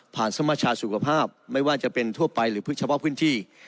สมชาสุขภาพไม่ว่าจะเป็นทั่วไปหรือเฉพาะพื้นที่